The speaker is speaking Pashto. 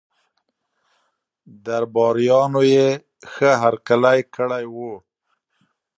درباریانو یې ښه هرکلی کړی وو.